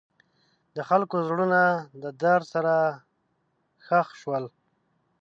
د خلکو زړونه د درد سره ښخ شول.